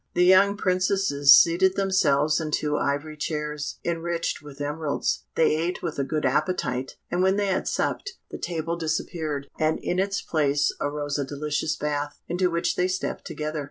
The young Princesses seated themselves in two ivory chairs, enriched with emeralds; they ate with a good appetite, and when they had supped, the table disappeared, and in its place arose a delicious bath, into which they stepped together.